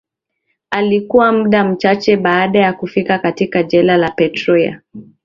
Alikufa mda mchache baada ya kufika katika jela ya Pretoria